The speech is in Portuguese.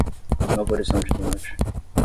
Novo Horizonte do Norte